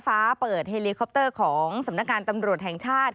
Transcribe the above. ฟ้าเปิดเฮลิคอปเตอร์ของสำนักงานตำรวจแห่งชาติ